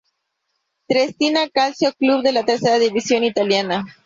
Triestina Calcio, club de la Tercera División italiana.